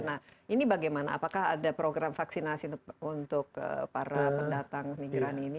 nah ini bagaimana apakah ada program vaksinasi untuk para pendatang migran ini